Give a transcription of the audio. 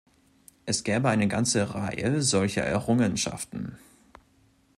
Es gäbe eine ganze Reihe solcher Errungenschaften.